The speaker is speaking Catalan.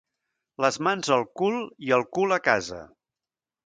Les mans al cul i el cul a casa.